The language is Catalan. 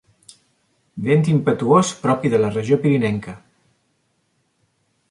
Vent impetuós propi de la regió pirinenca.